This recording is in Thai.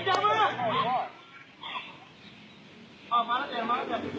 มึงด่ากูทำไม